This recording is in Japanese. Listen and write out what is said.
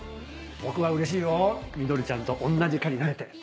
僕はうれしいよみどりちゃんと同じ科になれて。